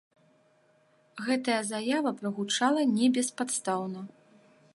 Гэтая заява прагучала не беспадстаўна.